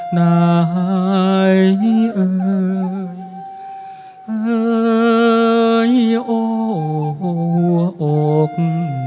หน้าหายเอ่ยเอ่ยโอ้โหโอ้คมึงเอ่ย